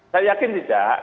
saya yakin tidak